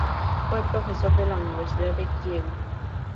Fue profesor de la Universidad de Kiev.